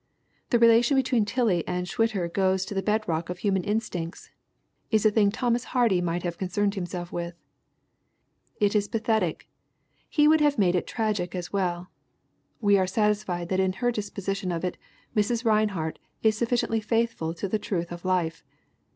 The relation between Tillie and Schwitter goes to the bedrock of human instincts, is a thing Thomas Hardy might have concerned himself with. It is pa thetic; he would have made it tragic as well; we are satisfied that in her disposition of it Mrs. Rinehart is sufficiently faithful to the truth of life.